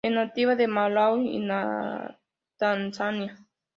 Es nativa de Malaui y Tanzania.